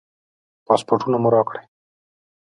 پاسپورټونه مو راکړئ.